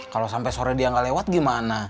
kalau sampai sore dia nggak lewat gimana